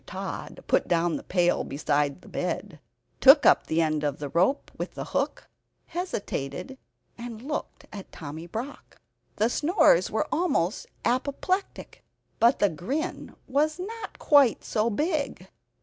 Mr. Tod put down the pail beside the bed, took up the end of rope with the hook hesitated, and looked at Tommy Brock. The snores were almost apoplectic; but the grin was not quite so big.